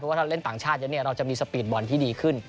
เพราะว่าถ้าเล่นต่างชาติอย่างนี้เราจะมีสปีดบอลที่ดีขึ้น